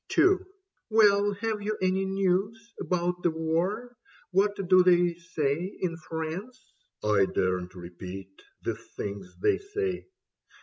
II. " Well, have you any news about the war ? What do they say in France ?" "I daren't repeat The things they say."